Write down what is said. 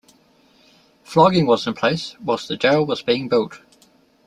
Flogging was in place whilst the gaol was being built.